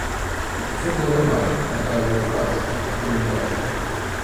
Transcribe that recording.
Усё было нармальна, такая ў іх праца, праблем не бачу.